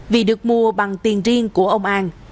vì được mua bằng tiền riêng của ông an